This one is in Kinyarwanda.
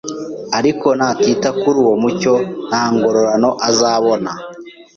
Ariko natita kuri uwo mucyo, ntangororano azabona